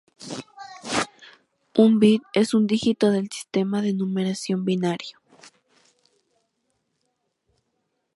Un "bit" es un dígito del sistema de numeración binario.